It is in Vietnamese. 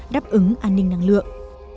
đáp ứng an ninh năng lượng